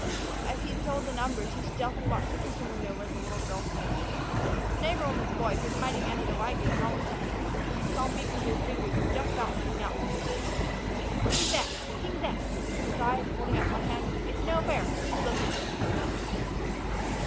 As he told the numbers he stealthily watched the kitchen window where the little girl stood. The neighbor woman's boy, who was in hiding under the wagon and almost at his feet, saw him peeking through his fingers and jumped out to denounce him. "King's ex, king's ex!" he cried, holding up one hand. "It's no fair; he's looking."